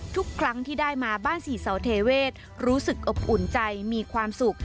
ทุกครั้งที่ได้มาบ้านศรีเสาเทเวศรู้สึกอบอุ่นใจมีความสุข